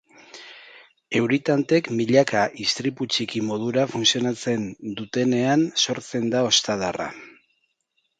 Euri tantek milaka ispilu txiki modura funtzionatzen dutenean sortzen da ostadarra.